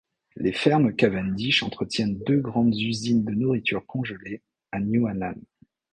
Les fermes Cavendish entretiennent deux grandes usines de nourritures congelée à New Annan.